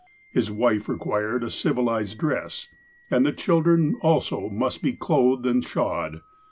His wife required a civilized dress, and the children also must be clothed and shod.